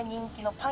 パン！